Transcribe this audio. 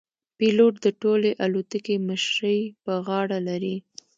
پیلوټ د ټولې الوتکې مشري پر غاړه لري.